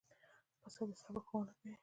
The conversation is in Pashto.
پسه د صبر ښوونه کوي.